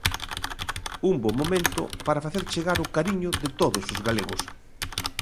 Un bo momento para facer chegar o cariño de todos os galegos.